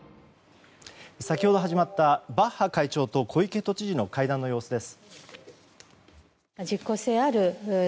先ほど始まったバッハ会長と小池都知事の会談の様子です。